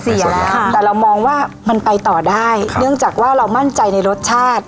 แต่เรามองว่ามันไปต่อได้เนื่องจากว่าเรามั่นใจในรสชาติ